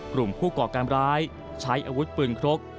กลุ่มผู้ก่อการร้ายใช้อาวุธปืนครก